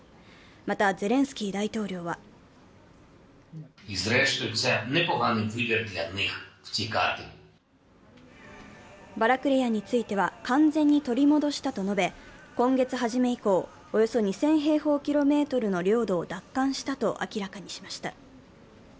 また、ゼレンスキー大統領はバラクレヤについては完全に取り戻したと述べ、今月初め以降、およそ２０００平方キロメートルの領土を奪還したと明らかにしました。